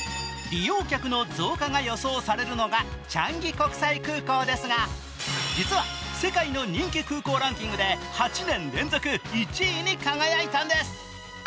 利用客の増加が予想されるのがチャンギ国際空港ですが、実は世界の人気空港ランキングで８年連続１位に輝いたんです。